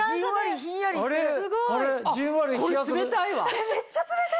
ひんやりしてます？